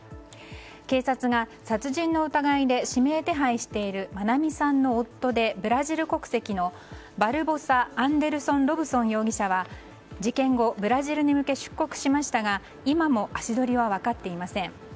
警察が殺人の疑いで指名手配している愛美さんの夫でブラジル国籍のバルボサ・アンデルソン・ロブソン容疑者は事件後、ブラジルに向け出国しましたが今も足取りは分かっていません。